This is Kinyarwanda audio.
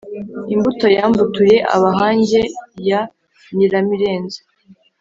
imbuto ya mbutuye abahange ya nyiramirenzo,